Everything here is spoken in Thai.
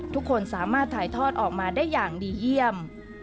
ทุกคนสามารถถ่ายทอดออกมาได้อย่างดีเยี่ยม